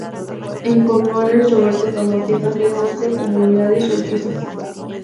En Cornualles Roberto tomó tierras de once comunidades religiosas.